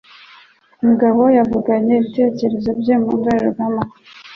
Mugabo yavuganye ibitekerezo bye mu ndorerwamo.